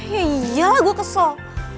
ya iyalah gue kesel